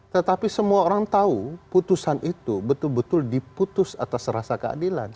tetapi semua orang tahu putusan itu betul betul diputus atas rasa keadilan